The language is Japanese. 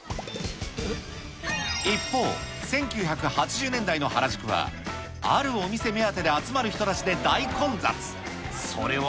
一方、１９８０年代の原宿は、あるお店目当てで集まる人たちで大混雑。